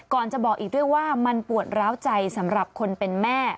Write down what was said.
ก่อนจะบอกอีกด้วยว่ามันปวดร้าวใจสำหรับคนเป็นแม่